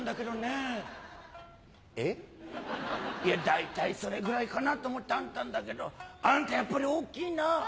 「大体それぐらいかなと思って編んだんだけどあんたやっぱり大きいな」。